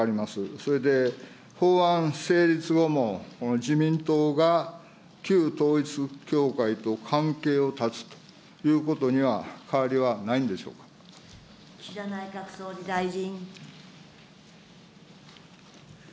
それで法案成立後も、自民党が旧統一教会と関係を断つということには、変わりはないん岸田内閣総理大臣。